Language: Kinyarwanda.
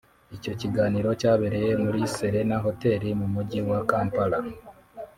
Icyo kiganiro cyabereye muri Serena Hotel mu Mujyi wa Kampala